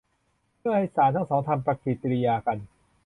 เพื่อให้สารทั้งสองทำปฏิกิริยากัน